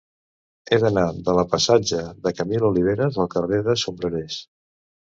He d'anar de la passatge de Camil Oliveras al carrer dels Sombrerers.